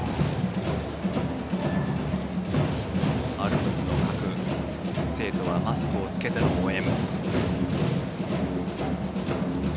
アルプスの各生徒はマスクを着けての応援。